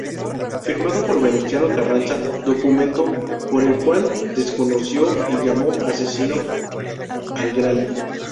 Firmado por Venustiano Carranza, documento por el cual desconoció y llamó asesino al Gral.